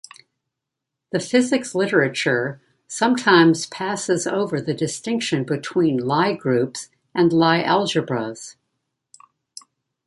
The physics literature sometimes passes over the distinction between Lie groups and Lie algebras.